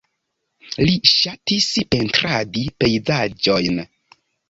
Li ŝatis pentradi pejzaĝojn.